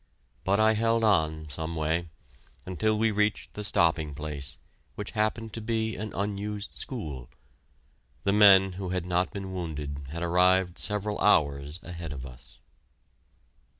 But I held on some way, until we reached the stopping place, which happened to be an unused school. The men who had not been wounded had arrived several hours ahead of us.